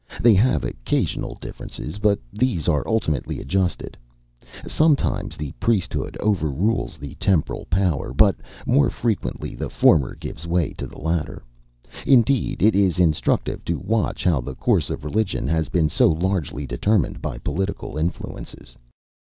They have occasional differences, but these are ultimately adjusted. Sometimes the priesthood overrules the temporal power, but more frequently the former gives way to the latter; indeed, it is instructive to watch how the course of religion has been so largely determined by political influences.